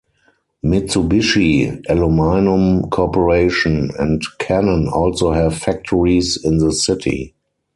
Mitsubishi Aluminum Corporation and Canon also have factories in the city.